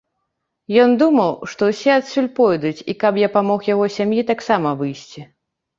Ён думаў, што ўсе адсюль пойдуць і каб я памог яго сям'і таксама выйсці.